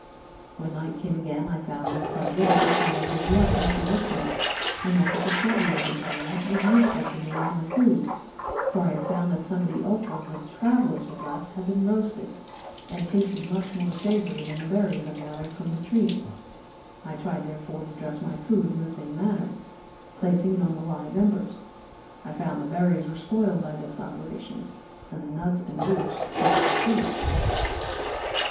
When night came again I found, with pleasure, that the fire gave light as well as heat and that the discovery of this element was useful to me in my food, for I found some of the offals that the travellers had left had been roasted, and tasted much more savoury than the berries I gathered from the trees. I tried, therefore, to dress my food in the same manner, placing it on the live embers. I found that the berries were spoiled by this operation, and the nuts and roots much improved.